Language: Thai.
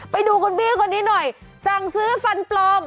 ไปดูคนนี่หน่อยสั่งสือฟันปลอม